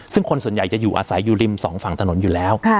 ซึ่งคนส่วนใหญ่จะอยู่อาศัยอยู่ริมสองฝั่งถนนอยู่แล้ว